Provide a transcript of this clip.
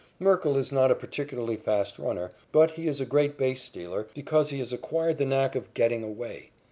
Merkle is not a particularly fast runner, but he is a great base stealer because he has acquired the knack of "getting away."